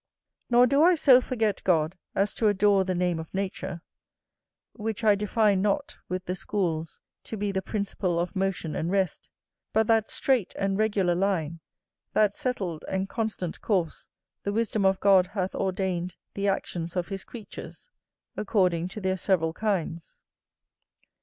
Nor do I so forget God as to adore the name of nature; which I define not, with the schools, to be the principle of motion and rest, but that straight and regular line, that settled and constant course the wisdom of God hath ordained the actions of his creatures, according to their several kinds.